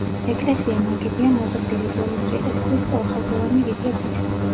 ეკლესია ნაგებია მოზრდილი ზომის რიყის ქვის სწორხაზოვანი რიგებით.